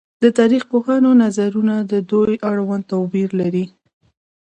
د تاريخ پوهانو نظرونه د دوی اړوند توپير لري